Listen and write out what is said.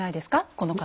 この方。